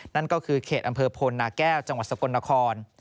นั่นก็คือเขตอำเภอพลนาแก้วจังหวัดสกลนคร